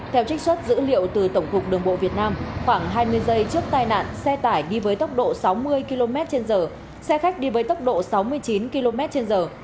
theo trích xuất dữ liệu từ tổng cục đường bộ việt nam khoảng hai mươi giây trước tai nạn xe tải đi với tốc độ sáu mươi km trên giờ xe khách đi với tốc độ sáu mươi chín km trên giờ